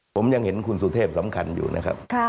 ผมยังเห็นคุณสุเทพสำคัญอยู่นะครับ